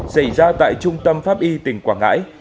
xảy ra tại trung tâm pháp y tỉnh quảng ngãi